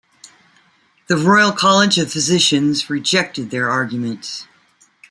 The Royal College of Physicians rejected their argument.